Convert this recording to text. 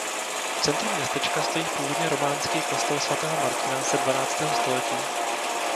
V centru městečka stojí původně románský kostel svatého Martina ze dvanáctého století.